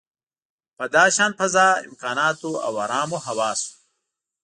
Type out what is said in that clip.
په داشان فضا، امکاناتو او ارامو حواسو.